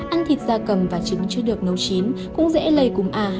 ăn thịt gia cầm và trứng chưa được nấu chín cũng dễ lây cúm a h năm